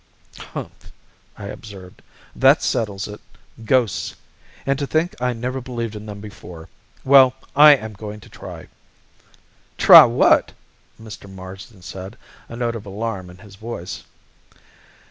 "Humph!" I observed. "That settles it! Ghosts! And to think I never believed in them before! Well, I am going to try." "Try what?" Mr. Marsden said, a note of alarm in his voice.